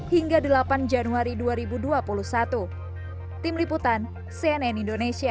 hingga delapan januari dua ribu dua puluh satu